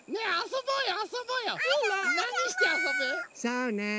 そうね